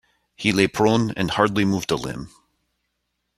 He lay prone and hardly moved a limb.